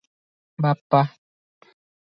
"ବାପା!